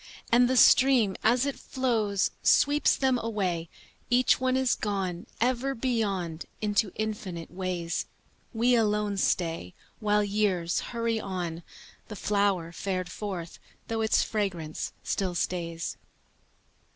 And the stream as it flows Sweeps them away, Each one is gone Ever beyond into infinite ways. We alone stay While years hurry on, The flower fared forth, though its fragrance still stays.